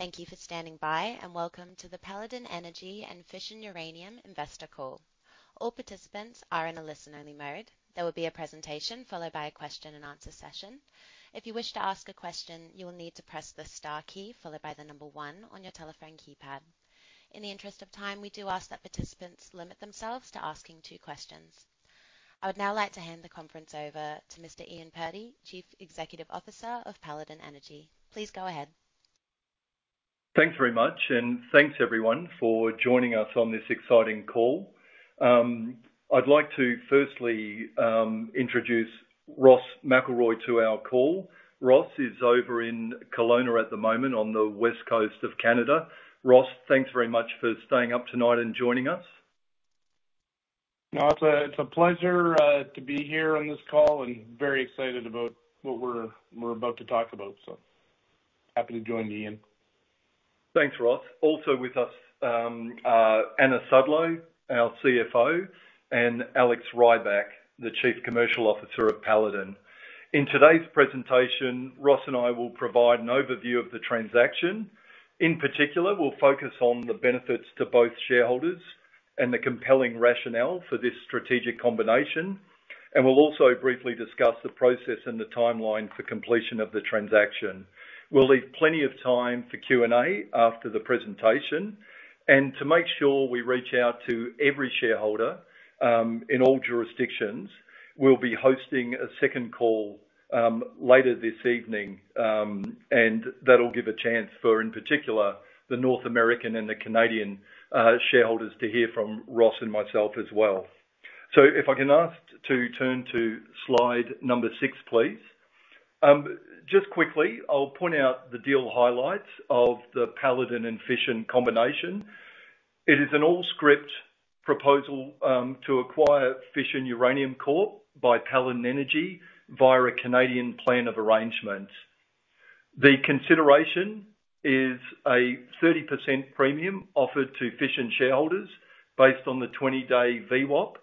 Thank you for standing by, and welcome to the Paladin Energy and Fission Uranium Investor Call. All participants are in a listen-only mode. There will be a presentation followed by a question-and-answer session. If you wish to ask a question, you will need to press the star key followed by the number one on your telephone keypad. In the interest of time, we do ask that participants limit themselves to asking two questions. I would now like to hand the conference over to Mr. Ian Purdy, Chief Executive Officer of Paladin Energy. Please go ahead. Thanks very much, and thanks everyone for joining us on this exciting call. I'd like to firstly introduce Ross McElroy to our call. Ross is over in Kelowna at the moment on the west coast of Canada. Ross, thanks very much for staying up tonight and joining us. It's a pleasure to be here on this call, and very excited about what we're about to talk about. Happy to join you, Ian. Thanks, Ross. Also with us, Anna Sudlow, our CFO, and Alex Rybak, the Chief Commercial Officer of Paladin. In today's presentation, Ross and I will provide an overview of the transaction. In particular, we'll focus on the benefits to both shareholders and the compelling rationale for this strategic combination. And we'll also briefly discuss the process and the timeline for completion of the transaction. We'll leave plenty of time for Q&A after the presentation. And to make sure we reach out to every shareholder in all jurisdictions, we'll be hosting a second call later this evening, and that'll give a chance for, in particular, the North American and the Canadian shareholders to hear from Ross and myself as well. So if I can ask to turn to Slide 6, please. Just quickly, I'll point out the deal highlights of the Paladin and Fission combination. It is an all-scrip proposal to acquire Fission Uranium Corp by Paladin Energy via a Canadian plan of arrangement. The consideration is a 30% premium offered to Fission shareholders based on the 20-day VWAP.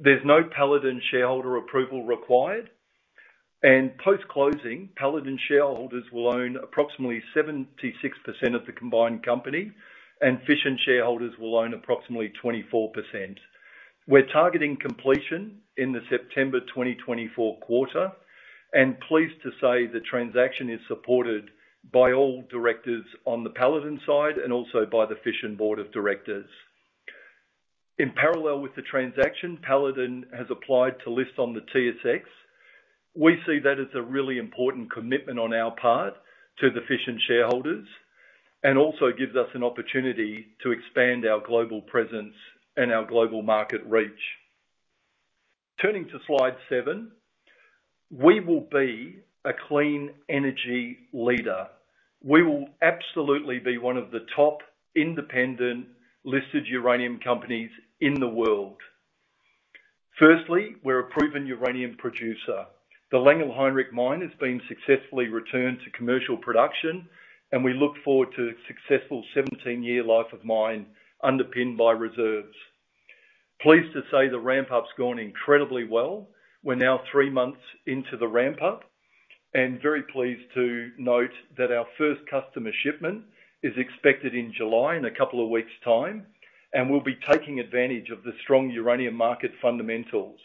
There's no Paladin shareholder approval required. Post-closing, Paladin shareholders will own approximately 76% of the combined company, and Fission shareholders will own approximately 24%. We're targeting completion in the September 2024 quarter, and pleased to say the transaction is supported by all directors on the Paladin side and also by the Fission Board of Directors. In parallel with the transaction, Paladin has applied to list on the TSX. We see that as a really important commitment on our part to the Fission shareholders and also gives us an opportunity to expand our global presence and our global market reach. Turning to Slide 7, we will be a clean energy leader. We will absolutely be one of the top independent listed uranium companies in the world. Firstly, we're a proven uranium producer. The Langer Heinrich mine has been successfully returned to commercial production, and we look forward to a successful 17-year life of mine underpinned by reserves. Pleased to say the ramp-up's gone incredibly well. We're now three months into the ramp-up, and very pleased to note that our first customer shipment is expected in July in a couple of weeks' time, and we'll be taking advantage of the strong uranium market fundamentals.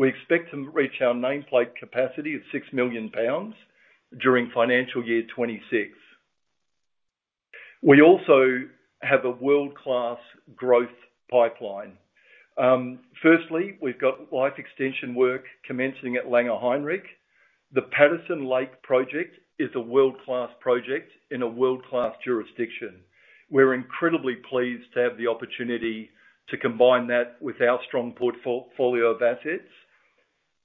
We expect to reach our nameplate capacity of 6 million pounds during financial year 2026. We also have a world-class growth pipeline. Firstly, we've got life extension work commencing at Langer Heinrich. The Patterson Lake project is a world-class project in a world-class jurisdiction. We're incredibly pleased to have the opportunity to combine that with our strong portfolio of assets.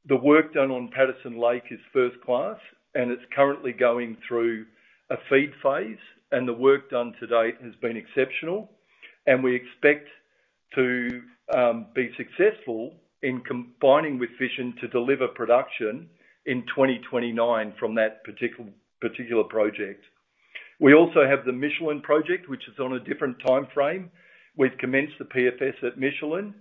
The work done on Patterson Lake is first-class, and it's currently going through a FEED phase, and the work done to date has been exceptional. We expect to be successful in combining with Fission and to deliver production in 2029 from that particular project. We also have the Michelin project, which is on a different time frame. We've commenced the PFS at Michelin.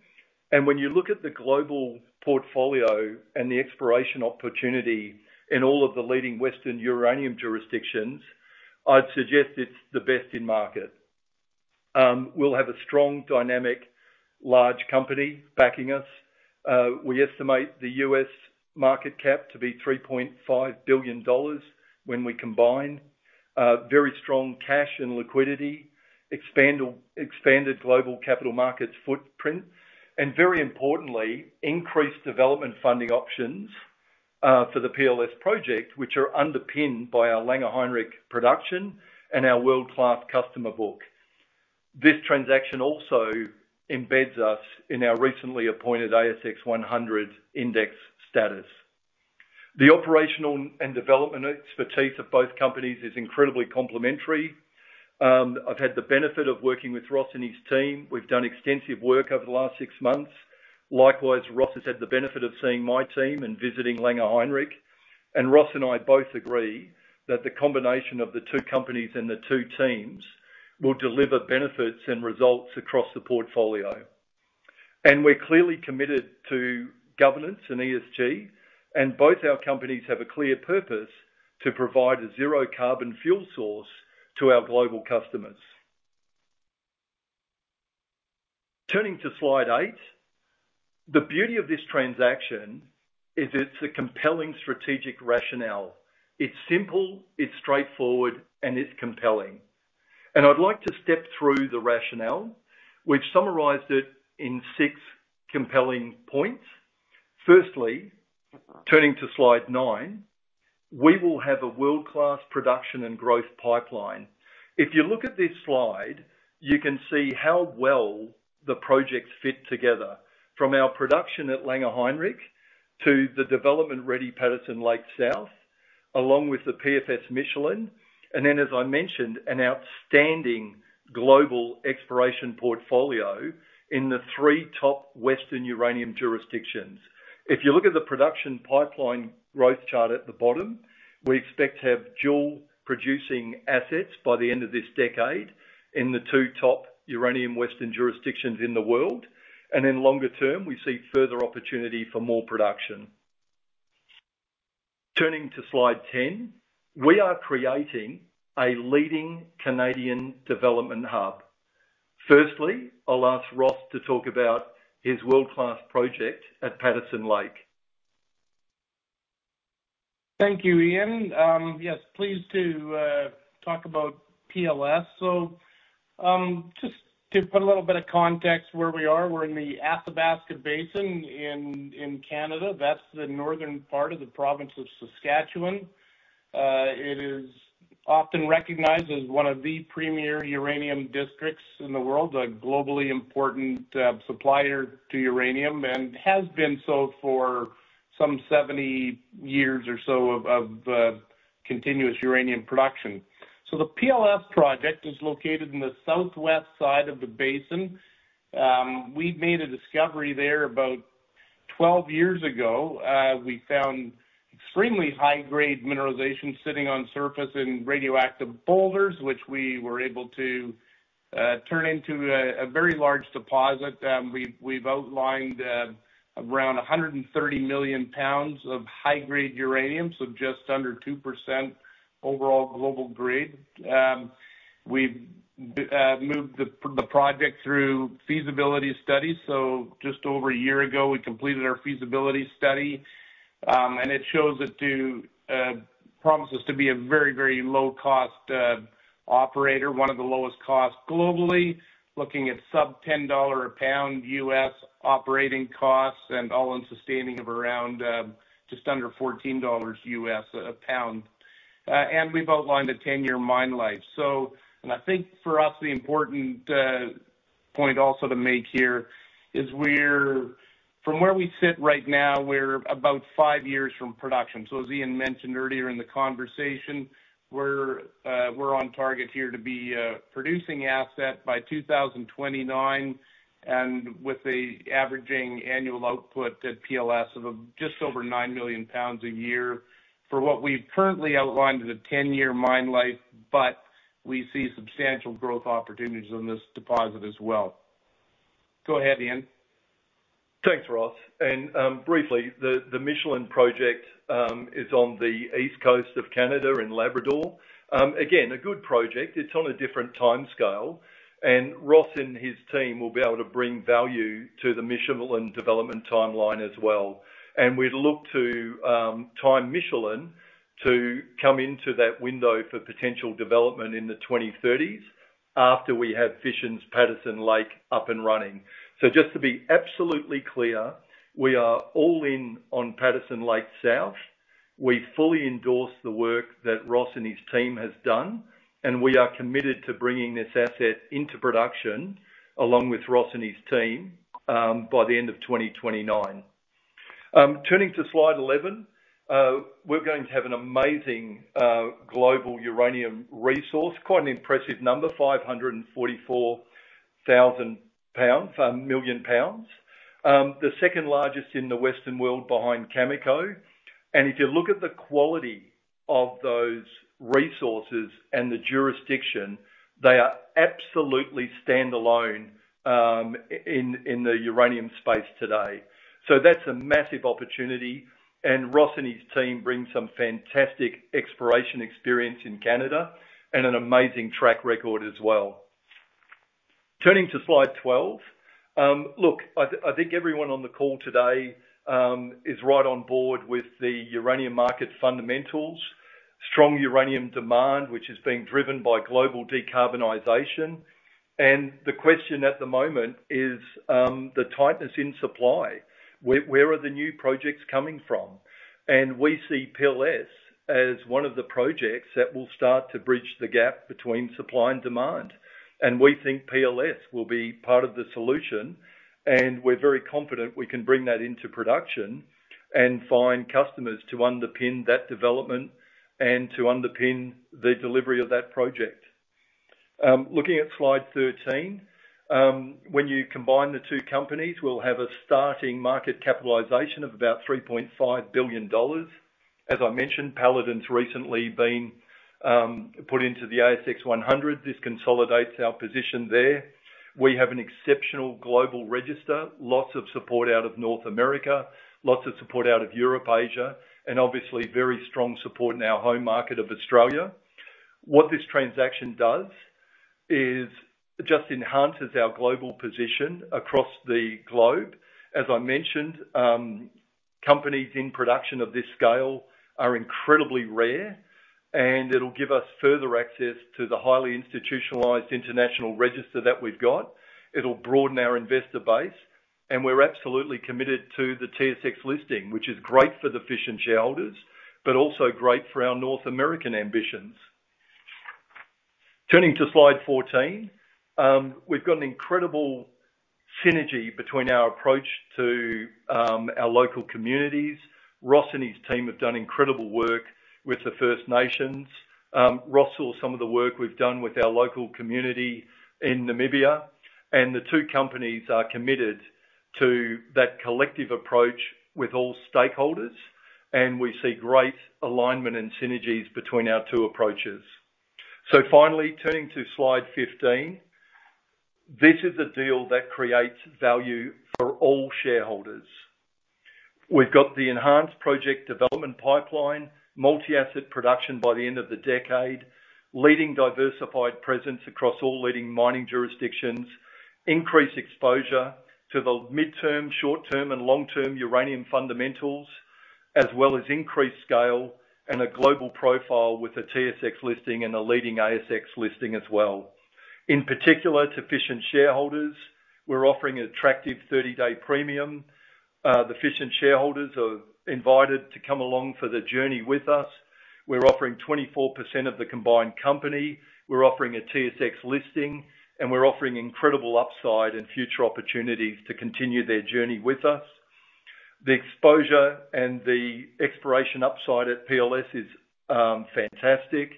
When you look at the global portfolio and the exploration opportunity in all of the leading Western uranium jurisdictions, I'd suggest it's the best in market. We'll have a strong, dynamic, large company backing us. We estimate the U.S. market cap to be $3.5 billion when we combine very strong cash and liquidity, expanded global capital markets footprint, and very importantly, increased development funding options for the PLS project, which are underpinned by our Langer Heinrich production and our world-class customer book. This transaction also embeds us in our recently appointed ASX 100 index status. The operational and development expertise of both companies is incredibly complementary. I've had the benefit of working with Ross and his team. We've done extensive work over the last six months. Likewise, Ross has had the benefit of seeing my team and visiting Langer Heinrich. And Ross and I both agree that the combination of the two companies and the two teams will deliver benefits and results across the portfolio. We're clearly committed to governance and ESG, and both our companies have a clear purpose to provide a zero-carbon fuel source to our global customers. Turning to Slide 8, the beauty of this transaction is it's a compelling strategic rationale. It's simple, it's straightforward, and it's compelling. I'd like to step through the rationale. We've summarized it in six compelling points. Firstly, turning to Slide 9, we will have a world-class production and growth pipeline. If you look at this slide, you can see how well the projects fit together from our production at Langer Heinrich to the development-ready Patterson Lake South, along with the PFS Michelin, and then, as I mentioned, an outstanding global exploration portfolio in the three top Western uranium jurisdictions. If you look at the production pipeline growth chart at the bottom, we expect to have dual-producing assets by the end of this decade in the two top uranium Western jurisdictions in the world. In longer term, we see further opportunity for more production. Turning to Slide 10, we are creating a leading Canadian development hub. Firstly, I'll ask Ross to talk about his world-class project at Patterson Lake. Thank you, Ian. Yes, pleased to talk about PLS. So just to put a little bit of context where we are, we're in the Athabasca Basin in Canada. That's the northern part of the province of Saskatchewan. It is often recognized as one of the premier uranium districts in the world, a globally important supplier to uranium, and has been so for some 70 years or so of continuous uranium production. So the PLS project is located in the southwest side of the basin. We made a discovery there about 12 years ago. We found extremely high-grade mineralization sitting on surface in radioactive boulders, which we were able to turn into a very large deposit. We've outlined around 130 million pounds of high-grade uranium, so just under 2% overall U3O8 grade. We've moved the project through feasibility studies. So just over a year ago, we completed our feasibility study, and it shows it promises to be a very, very low-cost operator, one of the lowest costs globally, looking at sub-$10 a pound U.S. operating costs and all-in sustaining of around just under $14 U.S. a pound. And we've outlined a 10-year mine life. And I think for us, the important point also to make here is from where we sit right now, we're about five years from production. So as Ian mentioned earlier in the conversation, we're on target here to be producing asset by 2029 and with an average annual output at PLS of just over 9 million pounds a year for what we've currently outlined as a 10-year mine life, but we see substantial growth opportunities on this deposit as well. Go ahead, Ian. Thanks, Ross. Briefly, the Michelin Project is on the east coast of Canada in Labrador. Again, a good project. It's on a different time scale. Ross and his team will be able to bring value to the Michelin development timeline as well. We'd look to time Michelin to come into that window for potential development in the 2030s after we have Fission and Patterson Lake up and running. Just to be absolutely clear, we are all in on Patterson Lake South. We fully endorse the work that Ross and his team has done, and we are committed to bringing this asset into production along with Ross and his team by the end of 2029. Turning to Slide 11, we're going to have an amazing global uranium resource, quite an impressive number, 544 million pounds, 1 billion pounds. The second largest in the Western world behind Cameco. If you look at the quality of those resources and the jurisdiction, they are absolutely standalone in the uranium space today. That's a massive opportunity. Ross and his team bring some fantastic exploration experience in Canada and an amazing track record as well. Turning to Slide 12, look, I think everyone on the call today is right on board with the uranium market fundamentals, strong uranium demand, which is being driven by global decarbonization. The question at the moment is the tightness in supply. Where are the new projects coming from? We see PLS as one of the projects that will start to bridge the gap between supply and demand. We think PLS will be part of the solution, and we're very confident we can bring that into production and find customers to underpin that development and to underpin the delivery of that project. Looking at Slide 13, when you combine the two companies, we'll have a starting market capitalization of about 3.5 billion dollars. As I mentioned, Paladin's recently been put into the ASX 100. This consolidates our position there. We have an exceptional global register, lots of support out of North America, lots of support out of Europe, Asia, and obviously very strong support in our home market of Australia. What this transaction does is just enhances our global position across the globe. As I mentioned, companies in production of this scale are incredibly rare, and it'll give us further access to the highly institutionalized international register that we've got. It'll broaden our investor base, and we're absolutely committed to the TSX listing, which is great for the Fission shareholders, but also great for our North American ambitions. Turning to Slide 14, we've got an incredible synergy between our approach to our local communities. Ross and his team have done incredible work with the First Nations. Ross saw some of the work we've done with our local community in Namibia, and the two companies are committed to that collective approach with all stakeholders, and we see great alignment and synergies between our two approaches. So finally, turning to Slide 15, this is a deal that creates value for all shareholders. We've got the enhanced project development pipeline, multi-asset production by the end of the decade, leading diversified presence across all leading mining jurisdictions, increased exposure to the midterm, short-term, and long-term uranium fundamentals, as well as increased scale and a global profile with a TSX listing and a leading ASX listing as well. In particular, to Fission shareholders, we're offering an attractive 30-day premium. The Fission shareholders are invited to come along for the journey with us. We're offering 24% of the combined company. We're offering a TSX listing, and we're offering incredible upside and future opportunities to continue their journey with us. The exposure and the exploration upside at PLS is fantastic,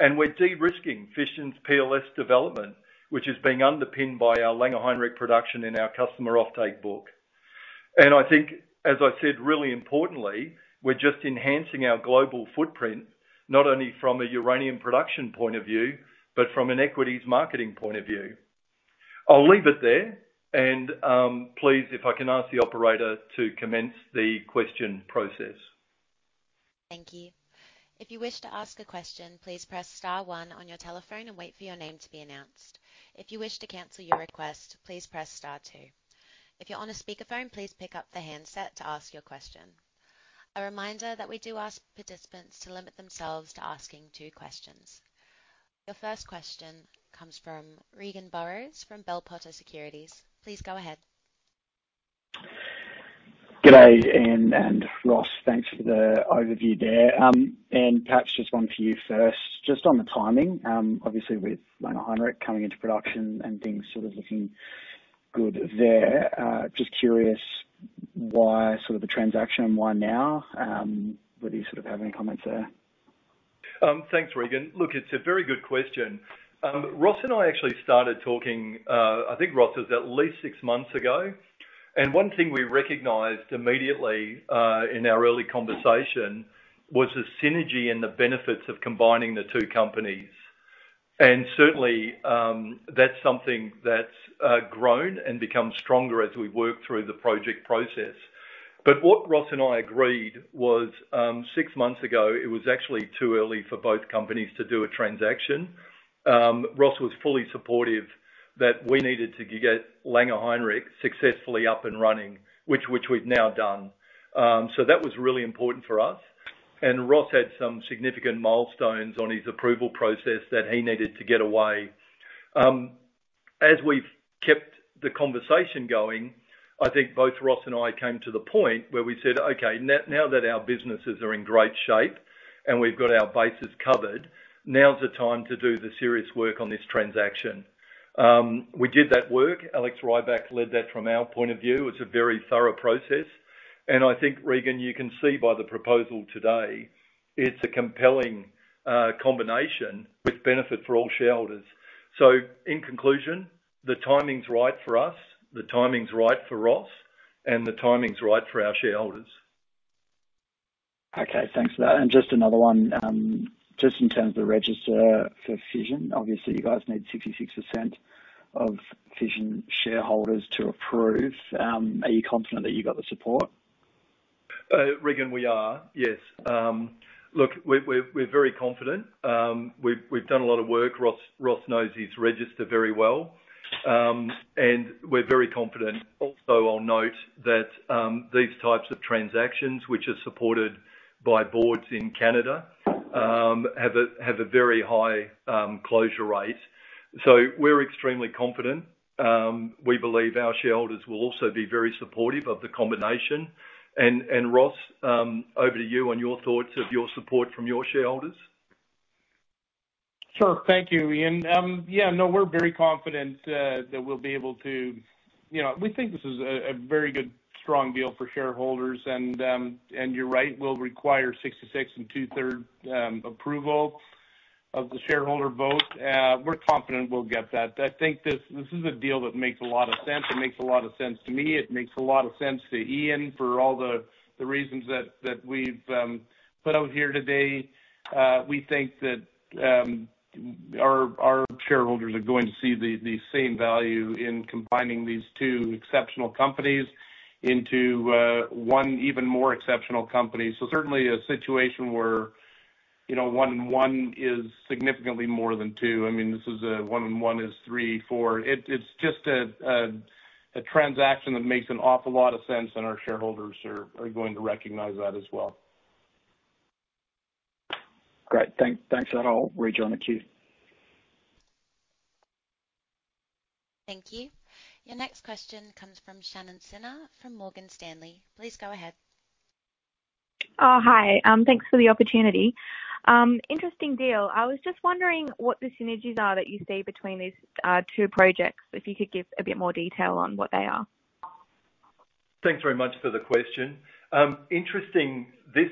and we're de-risking Fission and PLS development, which is being underpinned by our Langer Heinrich production in our customer offtake book. And I think, as I said, really importantly, we're just enhancing our global footprint, not only from a uranium production point of view, but from an equities marketing point of view. I'll leave it there, and please, if I can ask the operator to commence the question process. Thank you. If you wish to ask a question, please press star one on your telephone and wait for your name to be announced. If you wish to cancel your request, please press star two. If you're on a speakerphone, please pick up the handset to ask your question. A reminder that we do ask participants to limit themselves to asking two questions. Your first question comes from Regan Burrows from Bell Potter Securities. Please go ahead. Good day, Ian and Ross. Thanks for the overview there. Perhaps just one for you first, just on the timing. Obviously, with Langer Heinrich coming into production and things sort of looking good there, just curious why sort of the transaction and why now? Whether you sort of have any comments there. Thanks, Regan. Look, it's a very good question. Ross and I actually started talking, I think Ross was at least six months ago. And one thing we recognized immediately in our early conversation was the synergy and the benefits of combining the two companies. And certainly, that's something that's grown and become stronger as we've worked through the project process. But what Ross and I agreed was six months ago, it was actually too early for both companies to do a transaction. Ross was fully supportive that we needed to get Langer Heinrich successfully up and running, which we've now done. So that was really important for us. And Ross had some significant milestones on his approval process that he needed to get away. As we've kept the conversation going, I think both Ross and I came to the point where we said, "Okay, now that our businesses are in great shape and we've got our bases covered, now's the time to do the serious work on this transaction." We did that work. Alex Rybak led that from our point of view. It's a very thorough process. And I think, Regan, you can see by the proposal today, it's a compelling combination with benefit for all shareholders. So in conclusion, the timing's right for us, the timing's right for Ross, and the timing's right for our shareholders. Okay, thanks for that. Just another one, just in terms of the register for Fission, obviously you guys need 66% of Fission shareholders to approve. Are you confident that you've got the support? Regan, we are, yes. Look, we're very confident. We've done a lot of work. Ross knows his register very well. And we're very confident. Also, I'll note that these types of transactions, which are supported by boards in Canada, have a very high closure rate. So we're extremely confident. We believe our shareholders will also be very supportive of the combination. And Ross, over to you on your thoughts of your support from your shareholders. Sure, thank you, Ian. Yeah, no, we're very confident that we'll be able to. We think this is a very good, strong deal for shareholders. And you're right, we'll require 66 2/3 approval of the shareholder vote. We're confident we'll get that. I think this is a deal that makes a lot of sense. It makes a lot of sense to me. It makes a lot of sense to Ian for all the reasons that we've put out here today. We think that our shareholders are going to see the same value in combining these two exceptional companies into one even more exceptional company. So certainly a situation where one and one is significantly more than two. I mean, this is one and one is three, four. It's just a transaction that makes an awful lot of sense, and our shareholders are going to recognize that as well. Great. Thanks for that. I'll rejoin the queue. Thank you. Your next question comes from Shannon Sinha from Morgan Stanley. Please go ahead. Hi, thanks for the opportunity. Interesting deal. I was just wondering what the synergies are that you see between these two projects, if you could give a bit more detail on what they are. Thanks very much for the question. Interesting, as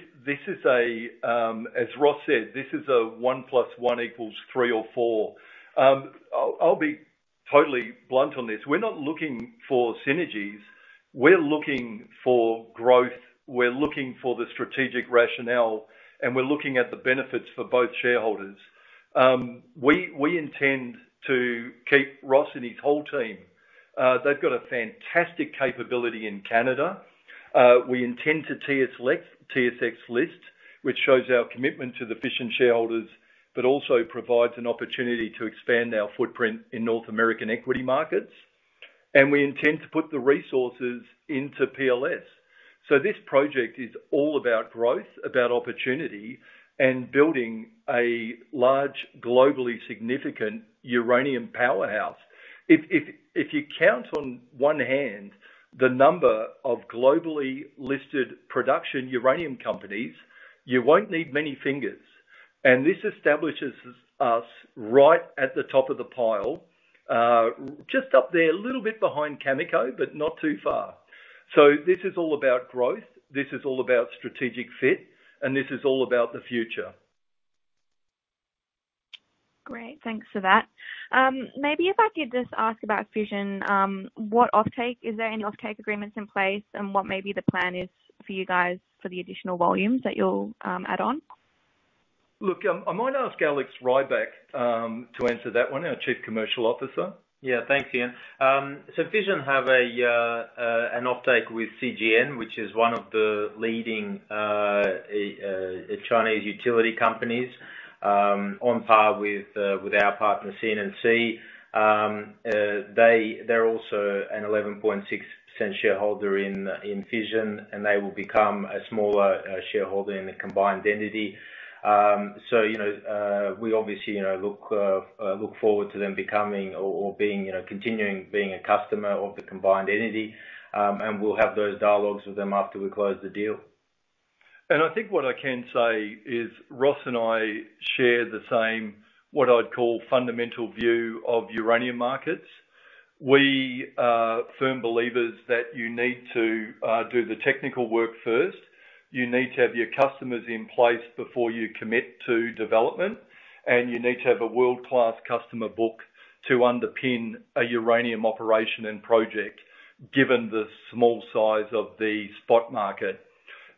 Ross said, this is a one plus one equals three or four. I'll be totally blunt on this. We're not looking for synergies. We're looking for growth. We're looking for the strategic rationale, and we're looking at the benefits for both shareholders. We intend to keep Ross and his whole team. They've got a fantastic capability in Canada. We intend to TSX list, which shows our commitment to the Fission and shareholders, but also provides an opportunity to expand our footprint in North American equity markets. And we intend to put the resources into PLS. So this project is all about growth, about opportunity, and building a large, globally significant uranium powerhouse. If you count on one hand the number of globally listed production uranium companies, you won't need many fingers. This establishes us right at the top of the pile, just up there, a little bit behind Cameco, but not too far. This is all about growth. This is all about strategic fit, and this is all about the future. Great, thanks for that. Maybe if I could just ask about Fission, what offtake? Is there any offtake agreements in place, and what may be the plan for you guys for the additional volumes that you'll add on? Look, I might ask Alex Rybak to answer that one, our Chief Commercial Officer. Yeah, thanks, Ian. So Fission have an offtake with CGN, which is one of the leading Chinese utility companies on par with our partner, CNNC. They're also an 11.6% shareholder in Fission, and they will become a smaller shareholder in the combined entity. So we obviously look forward to them becoming or continuing being a customer of the combined entity, and we'll have those dialogues with them after we close the deal. I think what I can say is Ross and I share the same, what I'd call, fundamental view of uranium markets. We are firm believers that you need to do the technical work first. You need to have your customers in place before you commit to development, and you need to have a world-class customer book to underpin a uranium operation and project given the small size of the spot market.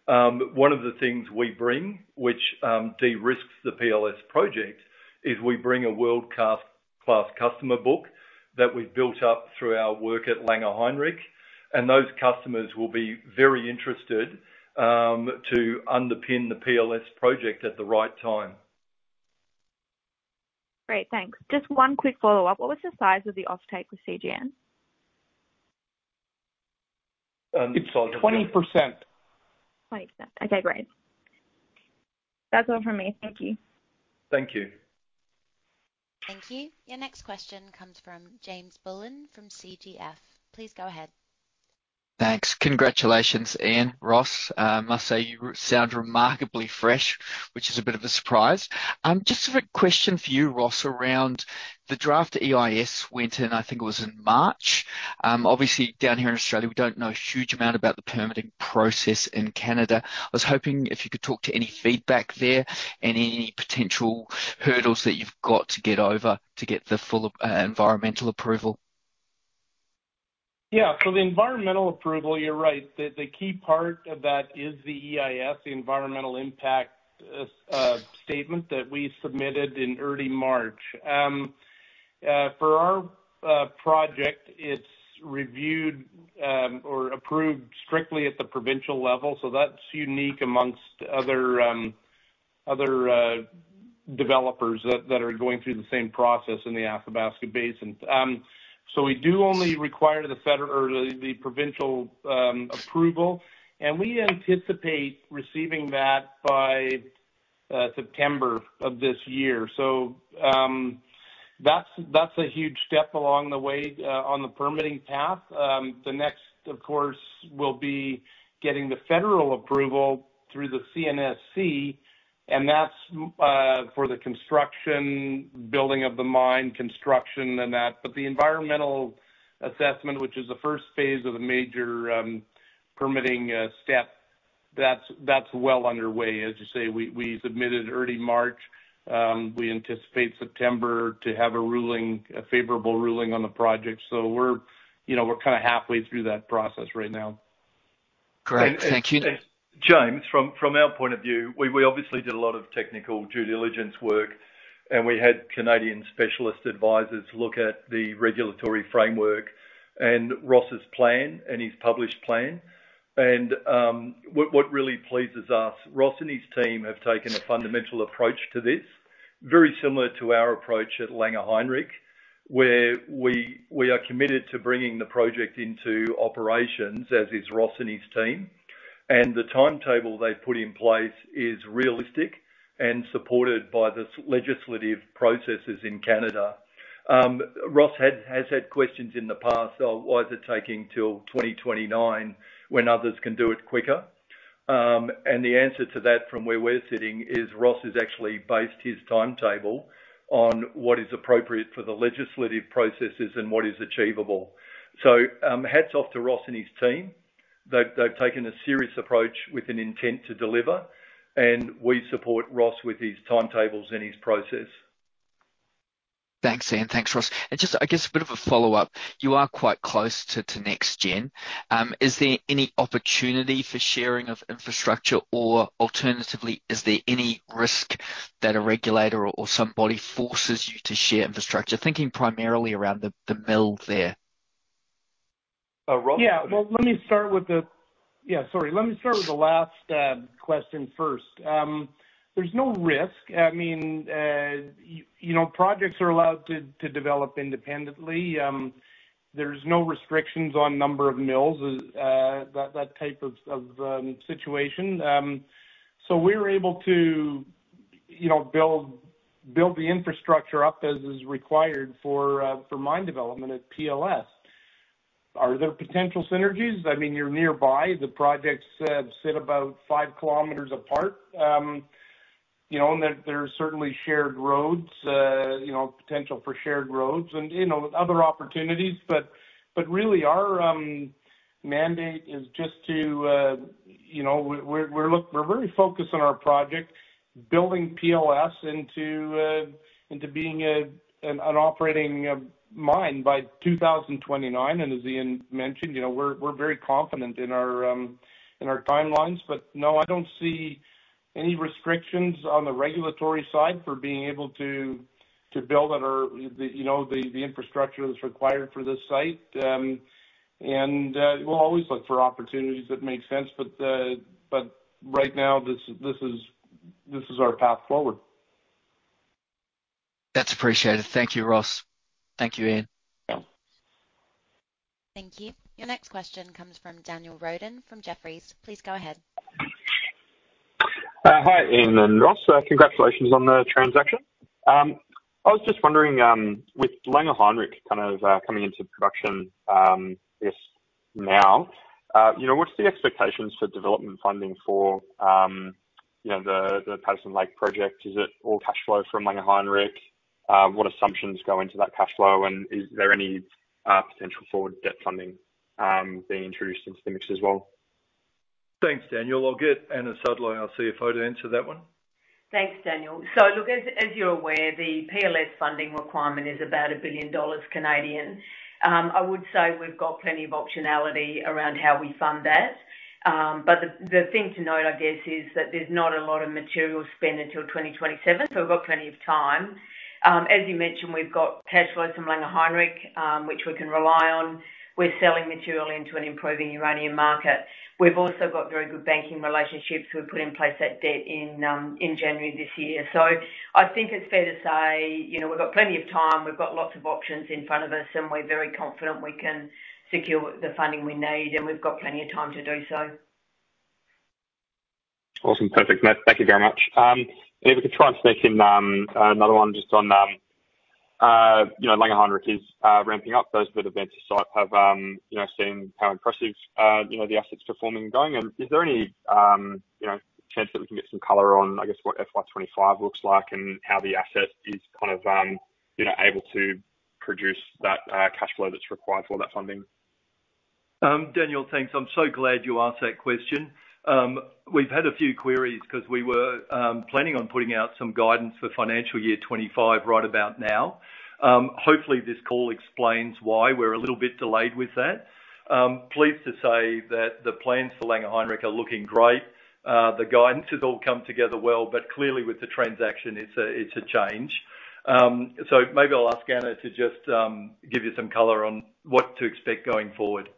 One of the things we bring, which de-risks the PLS project, is we bring a world-class customer book that we've built up through our work at Langer Heinrich, and those customers will be very interested to underpin the PLS project at the right time. Great, thanks. Just one quick follow-up. What was the size of the offtake with CGN? It's 20%. 20%, okay, great. That's all from me. Thank you. Thank you. Thank you. Your next question comes from James Bullen from Canaccord Genuity. Please go ahead. Thanks. Congratulations, Ian, Ross. I must say you sound remarkably fresh, which is a bit of a surprise. Just a quick question for you, Ross, around the draft EIS went in, I think it was in March. Obviously, down here in Australia, we don't know a huge amount about the permitting process in Canada. I was hoping if you could talk to any feedback there and any potential hurdles that you've got to get over to get the full environmental approval. Yeah, so the environmental approval, you're right. The key part of that is the EIS, the environmental impact statement that we submitted in early March. For our project, it's reviewed or approved strictly at the provincial level. So that's unique amongst other developers that are going through the same process in the Athabasca Basin. So we do only require the provincial approval, and we anticipate receiving that by September of this year. So that's a huge step along the way on the permitting path. The next, of course, will be getting the federal approval through the CNSC, and that's for the construction, building of the mine, construction, and that. But the environmental assessment, which is the first phase of the major permitting step, that's well underway. As you say, we submitted early March. We anticipate September to have a ruling, a favorable ruling on the project. So we're kind of halfway through that process right now. Great, thank you. James, from our point of view, we obviously did a lot of technical due diligence work, and we had Canadian specialist advisors look at the regulatory framework and Ross's plan and his published plan. And what really pleases us, Ross and his team have taken a fundamental approach to this, very similar to our approach at Langer Heinrich, where we are committed to bringing the project into operations, as is Ross and his team. And the timetable they've put in place is realistic and supported by the legislative processes in Canada. Ross has had questions in the past, "Why is it taking till 2029 when others can do it quicker?" And the answer to that from where we're sitting is Ross has actually based his timetable on what is appropriate for the legislative processes and what is achievable. So hats off to Ross and his team. They've taken a serious approach with an intent to deliver, and we support Ross with his timetables and his process. Thanks, Ian. Thanks, Ross. And just, I guess, a bit of a follow-up. You are quite close to NexGen. Is there any opportunity for sharing of infrastructure, or alternatively, is there any risk that a regulator or somebody forces you to share infrastructure, thinking primarily around the mill there? Yeah, well, let me start with the, yeah, sorry. Let me start with the last question first. There's no risk. I mean, projects are allowed to develop independently. There's no restrictions on number of mills, that type of situation. So we're able to build the infrastructure up as is required for mine development at PLS. Are there potential synergies? I mean, you're nearby. The projects sit about five kilometers apart. And there are certainly shared roads, potential for shared roads, and other opportunities. But really, our mandate is just to, we're very focused on our project, building PLS into being an operating mine by 2029. And as Ian mentioned, we're very confident in our timelines. But no, I don't see any restrictions on the regulatory side for being able to build the infrastructure that's required for this site. And we'll always look for opportunities that make sense. But right now, this is our path forward. That's appreciated. Thank you, Ross. Thank you, Ian. Thank you. Your next question comes from Daniel Roden from Jefferies. Please go ahead. Hi, Ian. And Ross, congratulations on the transaction. I was just wondering, with Langer Heinrich kind of coming into production, I guess, now, what's the expectations for development funding for the Patterson Lake project? Is it all cash flow from Langer Heinrich? What assumptions go into that cash flow? And is there any potential for debt funding being introduced into the mix as well? Thanks, Daniel. I'll get Anna Sudlow, our CFO, to answer that one. Thanks, Daniel. So look, as you're aware, the PLS funding requirement is about 1 billion dollars. I would say we've got plenty of optionality around how we fund that. But the thing to note, I guess, is that there's not a lot of material spent until 2027, so we've got plenty of time. As you mentioned, we've got cash flow from Langer Heinrich, which we can rely on. We're selling material into an improving uranium market. We've also got very good banking relationships. We put in place that debt in January this year. So I think it's fair to say we've got plenty of time. We've got lots of options in front of us, and we're very confident we can secure the funding we need, and we've got plenty of time to do so. Awesome. Perfect. Thank you very much. And if we could try and sneak in another one just on Langer Heinrich is ramping up. Those that have been to site have seen how impressive the asset's performing and going. And is there any sense that we can get some color on, I guess, what FY 2025 looks like and how the asset is kind of able to produce that cash flow that's required for that funding? Daniel, thanks. I'm so glad you asked that question. We've had a few queries because we were planning on putting out some guidance for financial year 2025 right about now. Hopefully, this all explains why we're a little bit delayed with that. Pleased to say that the plans for Langer Heinrich are looking great. The guidance has all come together well, but clearly, with the transaction, it's a change. So maybe I'll ask Anna to just give you some color on what to expect going forward.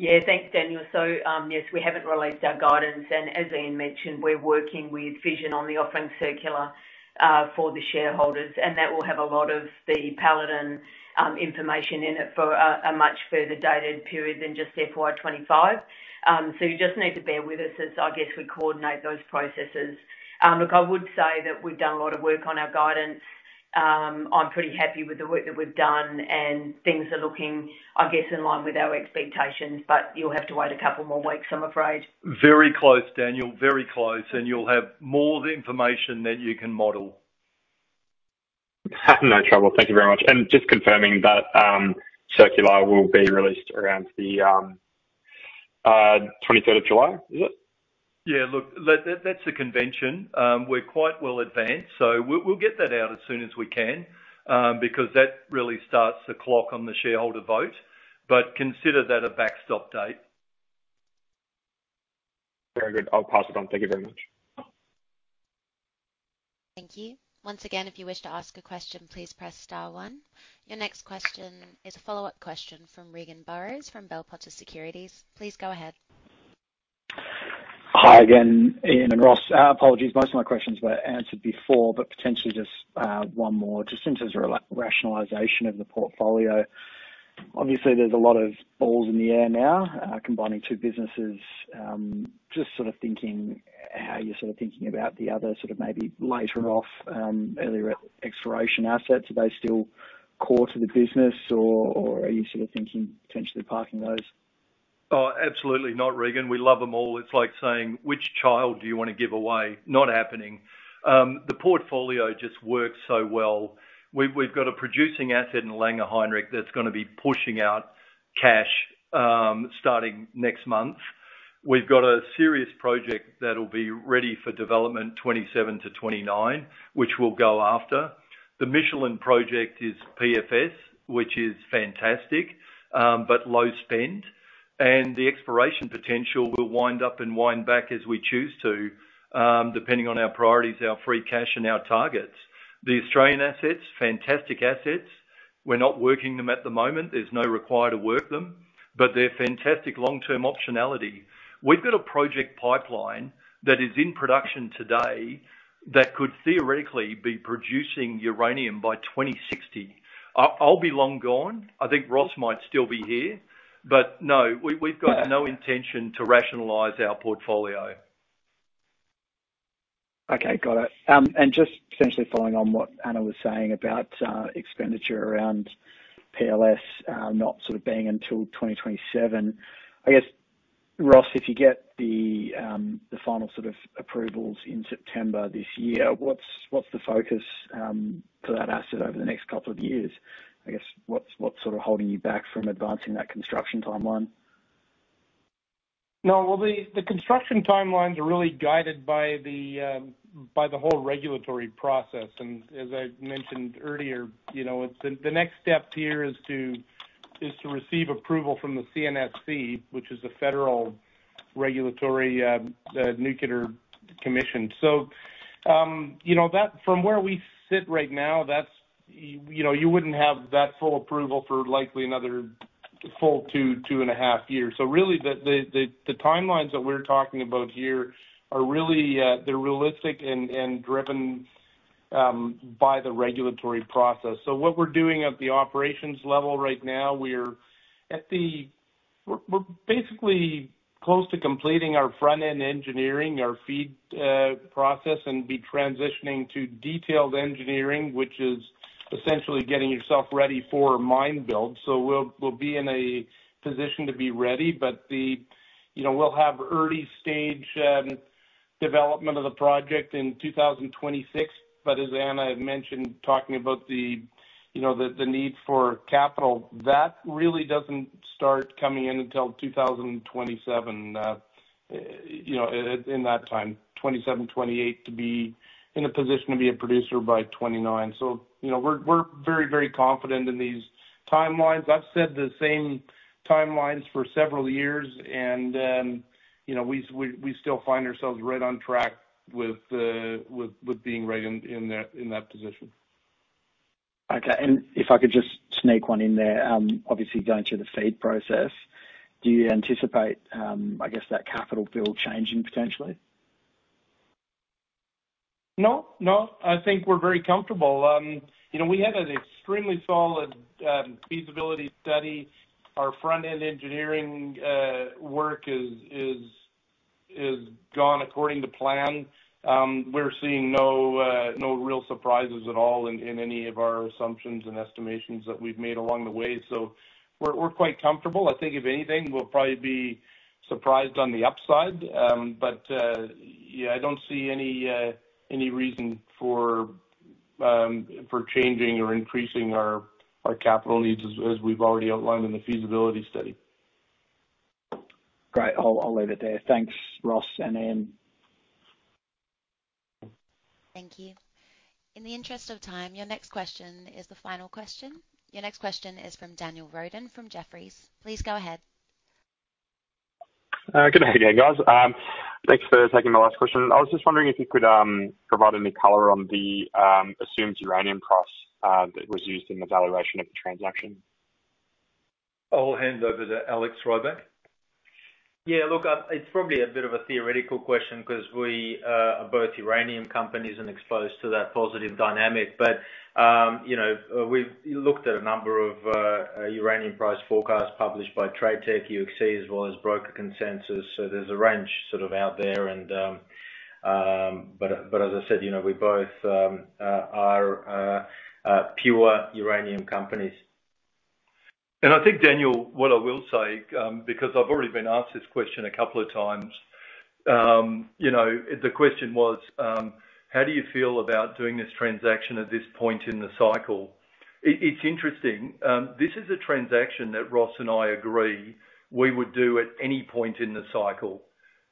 Yeah, thanks, Daniel. So yes, we haven't released our guidance. And as Ian mentioned, we're working with Fission on the offering circular for the shareholders, and that will have a lot of the Paladin information in it for a much further dated period than just FY 2025. So you just need to bear with us as, I guess, we coordinate those processes. Look, I would say that we've done a lot of work on our guidance. I'm pretty happy with the work that we've done, and things are looking, I guess, in line with our expectations, but you'll have to wait a couple more weeks, I'm afraid. Very close, Daniel. Very close. And you'll have more information than you can model. No trouble. Thank you very much. Just confirming that circular will be released around the July 23rd, is it? Yeah, look, that's the convention. We're quite well advanced, so we'll get that out as soon as we can because that really starts the clock on the shareholder vote, but consider that a backstop date. Very good. I'll pass it on. Thank you very much. Thank you. Once again, if you wish to ask a question, please press star one. Your next question is a follow-up question from Regan Burrows from Bell Potter Securities. Please go ahead. Hi, again, Ian and Ross. Apologies, most of my questions were answered before, but potentially just one more, just in terms of rationalization of the portfolio. Obviously, there's a lot of balls in the air now, combining two businesses. Just sort of thinking how you're sort of thinking about the other sort of maybe later or earlier exploration assets. Are they still core to the business, or are you sort of thinking potentially parking those? Oh, absolutely. Not Regan. We love them all. It's like saying, "Which child do you want to give away?" Not happening. The portfolio just works so well. We've got a producing asset in Langer Heinrich that's going to be pushing out cash starting next month. We've got a serious project that'll be ready for development 2027-2029, which we'll go after. The Michelin Project is PFS, which is fantastic, but low spend. And the exploration potential will wind up and wind back as we choose to, depending on our priorities, our free cash, and our targets. The Australian assets, fantastic assets. We're not working them at the moment. There's no require to work them, but they're fantastic long-term optionality. We've got a project pipeline that is in production today that could theoretically be producing uranium by 2060. I'll be long gone. I think Ross might still be here, but no, we've got no intention to rationalize our portfolio. Okay, got it. And just essentially following on what Anna was saying about expenditure around PLS not sort of being until 2027, I guess, Ross, if you get the final sort of approvals in September this year, what's the focus for that asset over the next couple of years? I guess, what's sort of holding you back from advancing that construction timeline? No, well, the construction timelines are really guided by the whole regulatory process. And as I mentioned earlier, the next step here is to receive approval from the CNSC, which is the Canadian Nuclear Safety Commission. So from where we sit right now, you wouldn't have that full approval for likely another full two to two and a half years. So really, the timelines that we're talking about here, they're realistic and driven by the regulatory process. So what we're doing at the operations level right now, we're basically close to completing our front-end engineering, our FEED process, and be transitioning to detailed engineering, which is essentially getting yourself ready for mine build. So we'll be in a position to be ready, but we'll have early stage development of the project in 2026. But as Anna had mentioned, talking about the need for capital, that really doesn't start coming in until 2027, in that time, 2027, 2028, to be in a position to be a producer by 2029. So we're very, very confident in these timelines. I've said the same timelines for several years, and we still find ourselves right on track with being right in that position. Okay. If I could just sneak one in there, obviously going through the FEED process, do you anticipate, I guess, that capital build changing potentially? No, no. I think we're very comfortable. We had an extremely solid feasibility study. Our front-end engineering work is gone according to plan. We're seeing no real surprises at all in any of our assumptions and estimations that we've made along the way. So we're quite comfortable. I think if anything, we'll probably be surprised on the upside. But yeah, I don't see any reason for changing or increasing our capital needs as we've already outlined in the feasibility study. Great. I'll leave it there. Thanks, Ross and Ian. Thank you. In the interest of time, your next question is the final question. Your next question is from Daniel Roden from Jefferies. Please go ahead. Good afternoon again, guys. Thanks for taking my last question. I was just wondering if you could provide any color on the assumed uranium price that was used in the valuation of the transaction. I'll hand over to Alex Rybak. Yeah, look, it's probably a bit of a theoretical question because we are both uranium companies and exposed to that positive dynamic. But we've looked at a number of uranium price forecasts published by TradeTech, UxC, as well as broker consensus. So there's a range sort of out there. But as I said, we both are pure uranium companies. I think, Daniel, what I will say, because I've already been asked this question a couple of times, the question was, "How do you feel about doing this transaction at this point in the cycle?" It's interesting. This is a transaction that Ross and I agree we would do at any point in the cycle.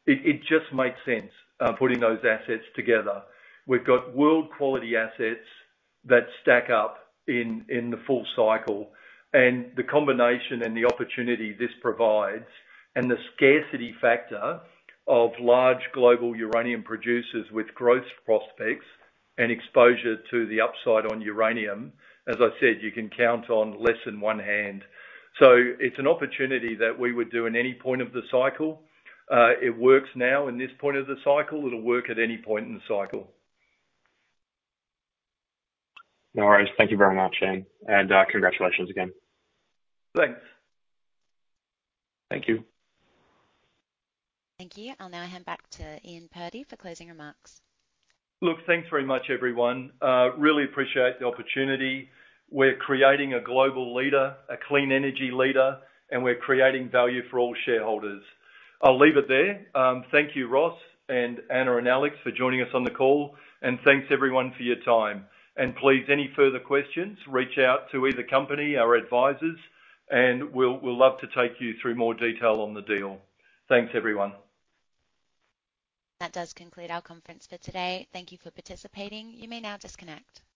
It just makes sense putting those assets together. We've got world-quality assets that stack up in the full cycle. And the combination and the opportunity this provides and the scarcity factor of large global uranium producers with growth prospects and exposure to the upside on uranium, as I said, you can count on less than one hand. So it's an opportunity that we would do in any point of the cycle. It works now in this point of the cycle. It'll work at any point in the cycle. No worries. Thank you very much, Ian. And congratulations again. Thanks. Thank you. Thank you. I'll now hand back to Ian Purdy for closing remarks. Look, thanks very much, everyone. Really appreciate the opportunity. We're creating a global leader, a clean energy leader, and we're creating value for all shareholders. I'll leave it there. Thank you, Ross and Anna and Alex for joining us on the call. Thanks, everyone, for your time. Please, any further questions, reach out to either company, our advisors, and we'll love to take you through more detail on the deal. Thanks, everyone. That does conclude our conference for today. Thank you for participating. You may now disconnect.